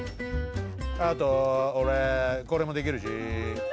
あとおれこれもできるし！